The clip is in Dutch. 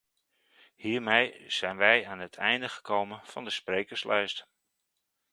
Hiermee zijn wij aan het einde gekomen van de sprekerslijst.